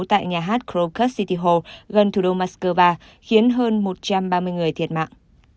tại nhà hát krocus city hall gần thủ đô moscow khiến hơn một trăm ba mươi người thiệt mạng